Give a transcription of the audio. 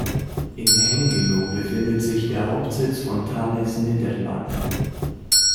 In Hengelo befindet sich der Hauptsitz von Thales Nederland.